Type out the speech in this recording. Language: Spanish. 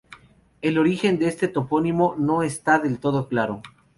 El origen de este topónimo no está del todo claro.